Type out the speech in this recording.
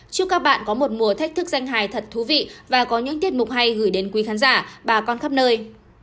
chúc các bạn có một mùa thách thức danh hài thật thú vị và có những tiết mục hay gửi đến quý khán giả bà con khắp nơi